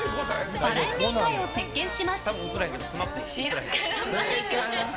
バラエティー界を席巻します。